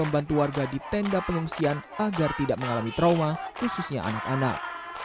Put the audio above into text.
dan tuarga di tenda pengungsian agar tidak mengalami trauma khususnya anak anak